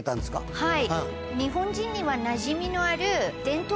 はい。